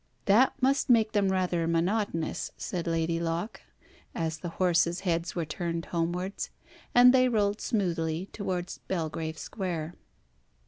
"That must make them rather monotonous," said Lady Locke, as the horses' heads were turned homewards, and they rolled smoothly towards Belgrave Square.